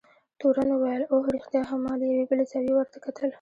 تورن وویل: اوه، رښتیا هم، ما له یوې بلې زاویې ورته کتل.